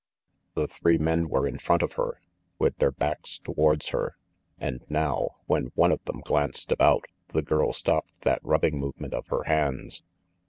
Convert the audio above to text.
The three men were in front of her, with their backs towards her; and now, when one of them 380 RANGY PETE glanced about, the girl stopped that rubbing move ment of her hands.